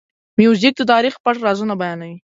موزیک د تاریخ پټ رازونه بیانوي.